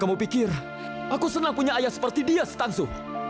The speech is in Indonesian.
kamu pikir aku senang punya ayah seperti dia stangsu